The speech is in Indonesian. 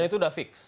dan itu udah fix